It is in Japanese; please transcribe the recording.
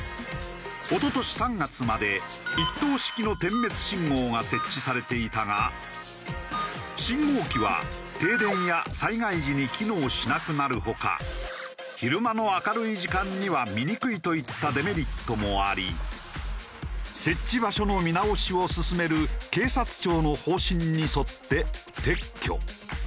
一昨年３月まで一灯式の点滅信号が設置されていたが信号機は停電や災害時に機能しなくなる他昼間の明るい時間には見にくいといったデメリットもあり設置場所の見直しを進める警察庁の方針に沿って撤去。